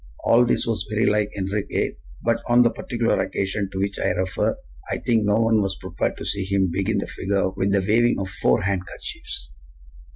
All this was very like Enriquez; but on the particular occasion to which I refer, I think no one was prepared to see him begin the figure with the waving of FOUR handkerchiefs!